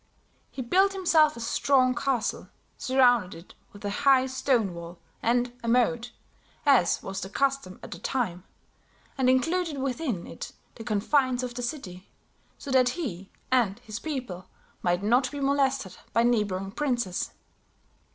He built himself a strong castle, surrounded it with a high stone wall and a moat, as was the custom at that time, and included within it the confines of the city, so that he and his people might not be molested by neighboring princes.